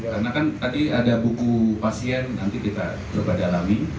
karena kan tadi ada buku pasien nanti kita coba dalami